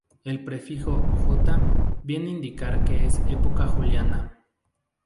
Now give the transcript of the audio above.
El prefijo "J" viene a indicar que es Época juliana.